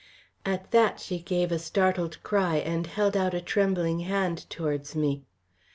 At that she gave a startled cry, and held out a trembling hand towards me.